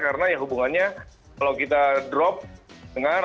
karena hubungannya kalau kita drop dengar